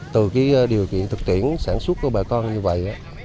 từ điều kiện thực tiễn sản xuất của bà con như vậy